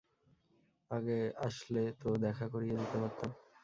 আগে আসলে তো দেখা করিয়ে দিতে পারতাম।